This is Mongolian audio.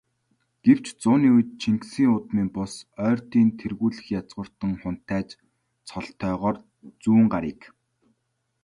Гэвч, зууны үед Чингисийн удмын бус, Ойрдын тэргүүлэх язгууртан хунтайж цолтойгоор Зүүнгарыг удирдаж асан.